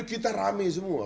kita rame semua